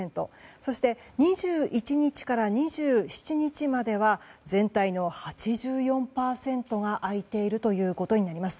そして２１日から２７日までは全体の８４％が空いているということになります。